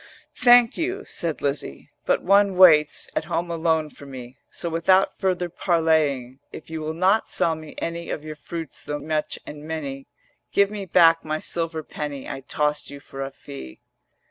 'Thank you,' said Lizzie: 'But one waits At home alone for me: So without further parleying, If you will not sell me any Of your fruits though much and many, Give me back my silver penny I tossed you for a fee.'